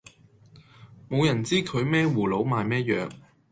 無人知佢咩葫蘆賣咩藥